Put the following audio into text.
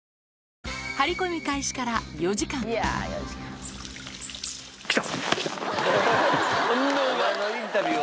張り込み開始から４時間。来た。